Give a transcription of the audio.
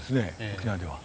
沖縄では。